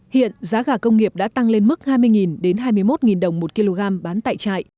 hiện giá gà công nghiệp đã tăng lên mức hai mươi hai mươi một đồng một kg bán tại trại